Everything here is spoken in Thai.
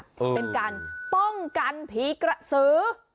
เป็นการป้องกันผีกระสือ